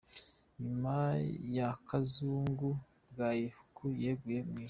Nyuma ya Kazungu, Bwayihuku yeguye mwishyamba